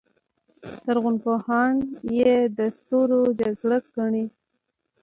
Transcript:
لرغونپوهان یې د ستورو جګړه ګڼي.